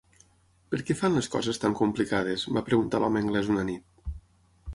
"Per què fan les coses tan complicades?", va preguntar l'home anglès una nit.